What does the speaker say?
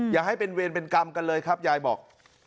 อย่าให้เป็นเวรเป็นกรรมกันเลยครับยายบอก